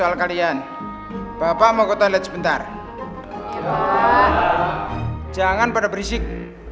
lerang lagi wijik